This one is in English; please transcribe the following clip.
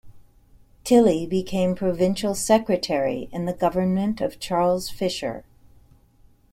Tilley became Provincial Secretary in the government of Charles Fisher.